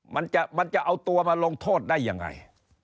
มันจะเอาตัวมาลงโทษได้ยังไง